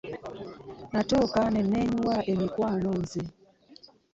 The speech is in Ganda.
Natuuka ne nneenyiwa emikwano nze.